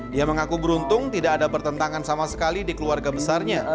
dia mengaku beruntung tidak ada pertentangan sama sekali di keluarga besarnya